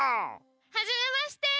はじめまして！